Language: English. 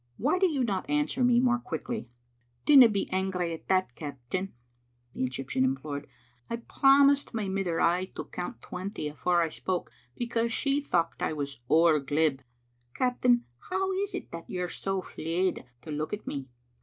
" Why do you not answer me more quickly?" "Dinna be angry at that, captain," the Egyptian im plored. " I promised my mither aye to count twenty afore I spoke, because she thocht I was ower glib. Captain, how is't that you're so fleid to look at me?"